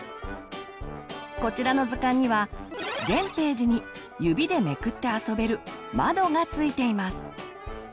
こちらの図鑑には全ページに指でめくって遊べる「まど」がついています。